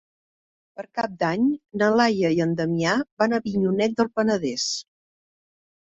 Per Cap d'Any na Laia i en Damià van a Avinyonet del Penedès.